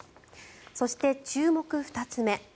そして、注目２つ目